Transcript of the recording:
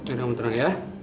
oke jangan menurut aku ya